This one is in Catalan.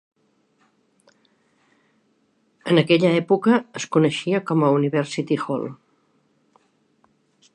En aquella època, es coneixia com a University Hall.